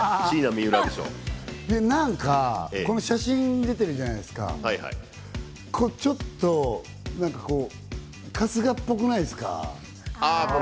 なんかこの写真、見てるじゃないですか、ちょっと春日っぽくないですか？